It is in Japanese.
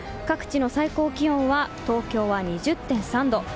各地の最高気温は東京は２０．３度。